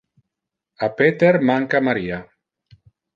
A Peter manca Maria.